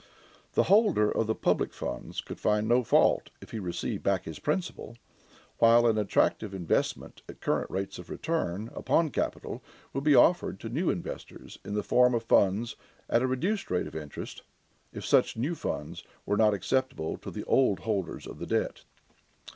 The holder of the public funds could find no fault if he received back his principal, while an attractive investment at current rates of return upon capital would be offered to new investors in the form of funds at a reduced rate of interest, if such new funds were not acceptable to the old holders of the debt.